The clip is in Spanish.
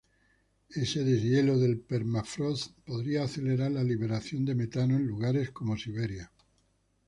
Ese deshielo del permafrost podría acelerar la liberación de metano en lugares como Siberia.